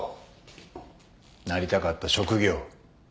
なりたかった職業。